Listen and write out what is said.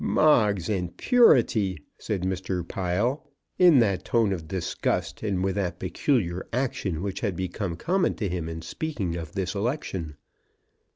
"Moggs and purity!" said Mr. Pile, in that tone of disgust, and with that peculiar action which had become common to him in speaking of this election.